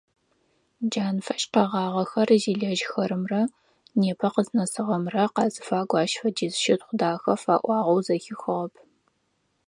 Джанфыжь къэгъагъэхэр зилэжьхэрэмрэ непэ къызнэсыгъэмрэ къазыфагу ащ фэдиз щытхъу дахэ фаӏуагъэу зэхихыгъэп.